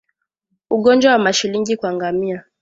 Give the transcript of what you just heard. Ugonjwa wa Mashilingi kwa ngamia